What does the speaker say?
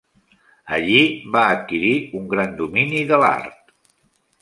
Allí va adquirir un gran domini de l'art.